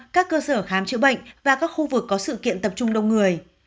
các cơ sở khám chữa bệnh và các khu vực có sự kiện tập trung đông người